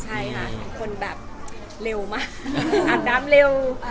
ใช่ค่ะเห็นคนแบบเร็วมากอาบน้ำเร็ว